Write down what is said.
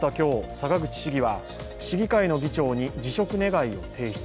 坂口市議は市議会の議長に辞職願を提出。